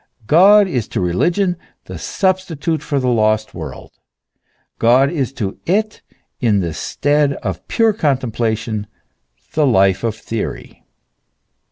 God is to religion the substitute for the lost world, God is to it in the stead of pure contemplation, the life of theory.